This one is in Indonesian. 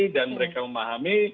dan mereka memahami